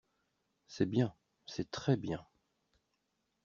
C’est bien… c’est très bien.